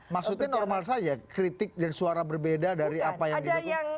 maksudnya normal saja kritik dan suara berbeda dari apa yang dilakukan